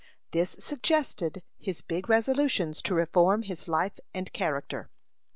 This suggested his big resolutions to reform his life and character.